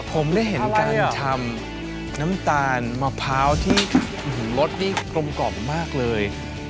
ผมได้เห็นการทำน้ำตาลมะพร้าวที่รสนี่กลมกล่อมมากเลย